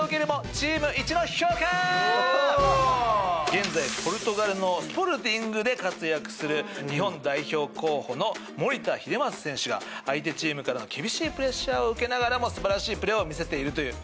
現在ポルトガルのスポルティングで活躍する日本代表候補の守田英正選手が相手チームから厳しいプレッシャーを受けながらも素晴らしいプレーを見せているという。